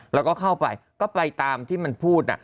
แล้วก็เข้าไปก็ไปตามที่มันพูด